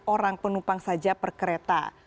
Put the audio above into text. orang penumpang saja per kereta